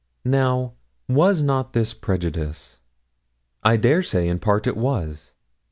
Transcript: Now, was not this prejudice? I dare say in part it was.